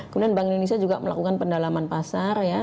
kemudian bank indonesia juga melakukan pendalaman pasar ya